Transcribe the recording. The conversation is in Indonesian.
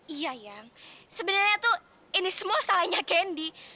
iya yang sebenarnya tuh ini semua salahnya candy